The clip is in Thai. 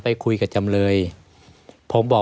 ไม่มีครับไม่มีครับ